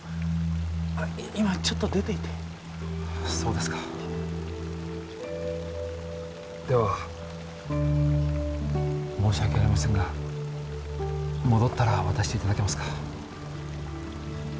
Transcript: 今ちょっと出ていてそうですかでは申し訳ありませんが戻ったら渡していただけますか？